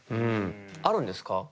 あるんですか？